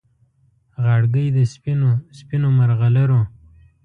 غاړګۍ د سپینو، سپینو مرغلرو